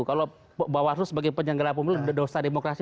kalau bawaslu sebagai penjaga pemilu dosa demokrasi seratus